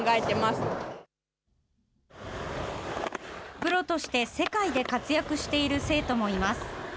プロとして世界で活躍している生徒もいます。